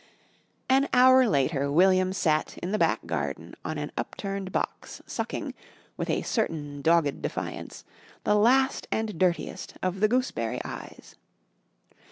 An hour later William sat in the back garden on an upturned box sucking, with a certain dogged defiance, the last and dirtiest of the Gooseberry Eyes.